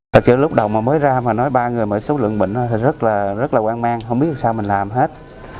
trước lúc đầu mới ra mà nói ba người mở số lượng bệnh rất là quan mang không biết sao mình làm hết